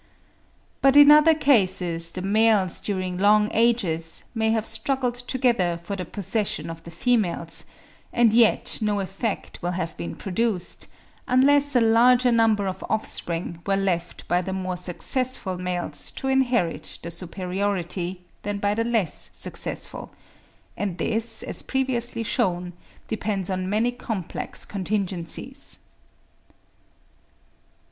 But in other cases the males during long ages may have struggled together for the possession of the females, and yet no effect will have been produced, unless a larger number of offspring were left by the more successful males to inherit their superiority, than by the less successful: and this, as previously shewn, depends on many complex contingencies.